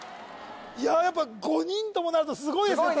いやあやっぱ５人ともなるとすごいですね